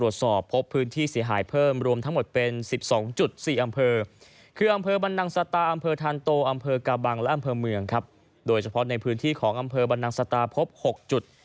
เฉพาะในพื้นที่ของอำเภอบรรนังสตาร์ภพ๖จุด